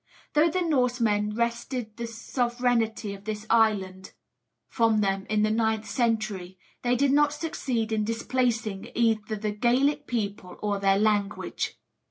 Though the Norsemen wrested the sovereignty of the island from them in the ninth century, they did not succeed in displacing either the Gaelic people or their language.